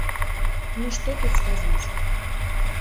Ну што тут сказаць?